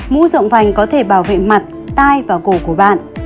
mũ rộng vành có thể bảo vệ mặt tai và cổ của bạn